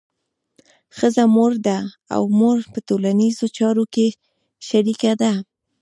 ښځه مور ده او مور په ټولنیزو چارو کې شریکه ده.